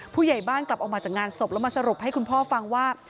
ผู้ใหญ่บ้านกลับออกมาจากงานศพแล้วมาสรุปให้คุณพ่อฟังว่า